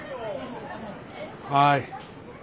はい。